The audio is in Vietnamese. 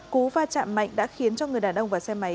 cú va chạm mạnh đã khiến cho người đàn ông và xe máy